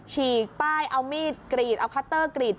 ฉีกป้ายเอามีดกรีดเอาคัตเตอร์กรีด